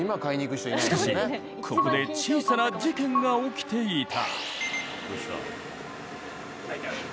しかし、ここで小さな事件が起きていた。